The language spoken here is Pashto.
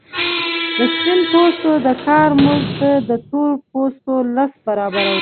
د سپین پوستو د کار مزد د تور پوستو لس برابره وو